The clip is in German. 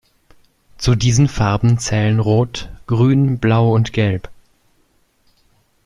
Zu diesen Farben zählen Rot, Grün, Blau und Gelb.